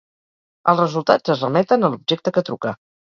Els resultats es remeten a l'objecte que truca.